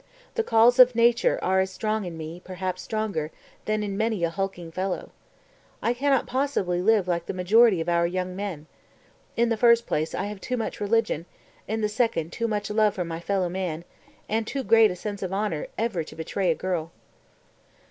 The calls of nature are as strong in me, perhaps stronger, than in many a hulking fellow. I can not possibly live like the majority of our young men. In the first place I have too much religion, in the second too much love for my fellow man and too great a sense of honor ever to betray a girl...."